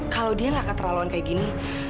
kalau dia nggak keterlaluan kayak gini